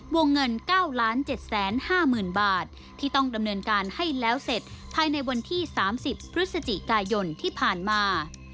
วงเงิน๙๗๕๐๐๐บาทที่ต้องดำเนินการให้แล้วเสร็จภายในวันที่๓๐พฤศจิกายนที่ผ่านมา